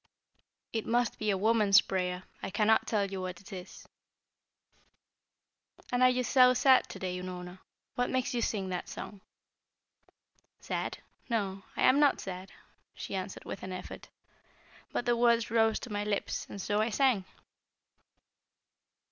"It must be a woman's prayer; I cannot tell you what it is." "And are you so sad to day, Unorna? What makes you sing that song?" "Sad? No, I am not sad," she answered with an effort. "But the words rose to my lips and so I sang."